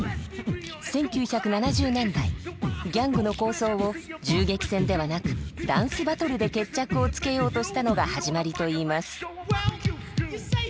１９７０年代ギャングの抗争を銃撃戦ではなくダンスバトルで決着をつけようとしたのが始まりといいます。